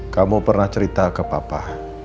kamu pernah cerita ke papa